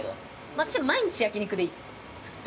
私、毎日焼き肉でいい。